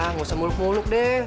ah nggak usah muluk muluk deh